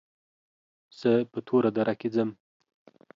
زه په توره دره کې ځم.